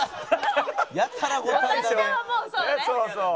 そうそう。